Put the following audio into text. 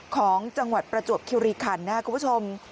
ของจังหวัดประจวบคิริขันนะครับคุณผู้ชม